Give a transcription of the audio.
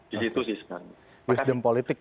di situ sih sekarang nasdem politik